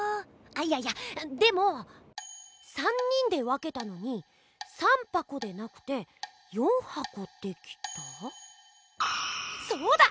あいやいやでも３人で分けたのに３ぱこでなくて４はこできた⁉そうだ！